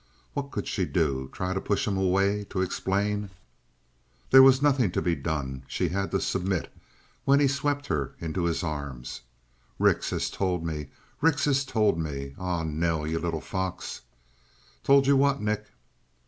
What could she do? Try to push him away; to explain? There was nothing to be done. She had to submit when he swept her into his arms. "Rix has told me. Rix has told me. Ah, Nell, you little fox!" "Told you what, Nick?"